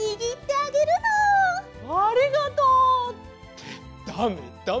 ありがとう！ってだめだめ。